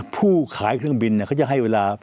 ผู้ขายเครื่องบินเขาจะให้เวลา